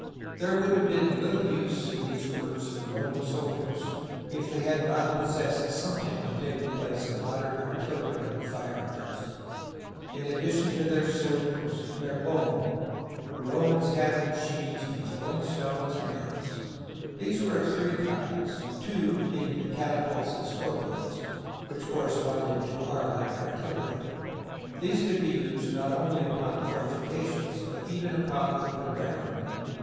There would have been little use in these works of the Roman soldiers if they had not possessed something to take the place of modern artillery and firearms. In addition to their slingers and their bowmen, the Romans had the machines for throw ing stones and arrows. These were of three kinds, two being the catapults and scorpions, which cor responded to our light artillery ; these could be used not only upon fortifications, but even upon open ground.